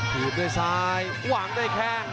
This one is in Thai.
พยึนด้วยซ้ายห่วงด้วยแค่ง